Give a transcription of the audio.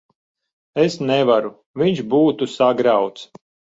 Es nevaru. Viņš būtu sagrauts.